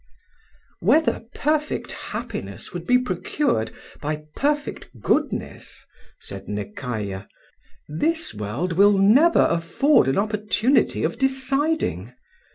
"Whether perfect happiness would be procured by perfect goodness," said Nekayah, "this world will never afford an opportunity of deciding.